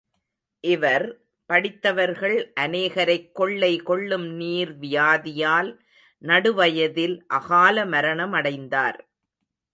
இவர், படித்தவர்கள் அநேகரைக் கொள்ளை கொள்ளும் நீர் வியாதியால், நடுவயதில் அகால மரணமடைந்தார்.